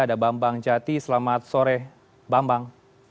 ada bambang jati selamat sore bambang